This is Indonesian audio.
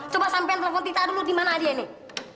coba sampein telepon tita dulu dimana dia nih